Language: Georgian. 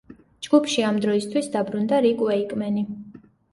ჯგუფში ამ დროისთვის დაბრუნდა რიკ უეიკმენი.